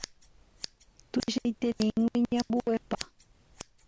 Tuichaitereíntemako iñambuepa